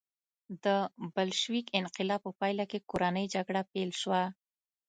د بلشویک انقلاب په پایله کې کورنۍ جګړه پیل شوه